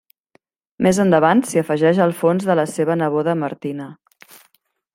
Més endavant, s'hi afegeix el fons de la seva neboda Martina.